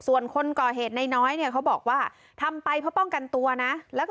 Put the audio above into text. ส่วนคนก่อเหตุน้อยเขาบอกว่าทำไปเพื่อป้องกันตัวนะ